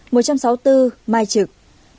một trăm sáu mươi bốn mai trực